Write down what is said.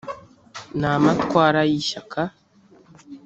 ni amatwara y’ishyaka